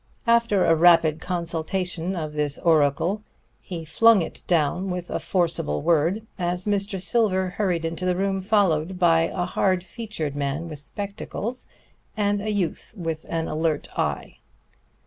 After a rapid consultation of this oracle, he flung it down with a forcible word as Mr. Silver hurried into the room, followed by a hard featured man with spectacles, and a youth with an alert eye.